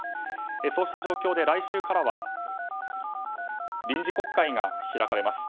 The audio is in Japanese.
そうした状況で来週からは臨時国会が開かれます。